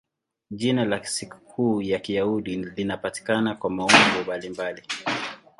Jina la sikukuu ya Kiyahudi linapatikana kwa maumbo mbalimbali.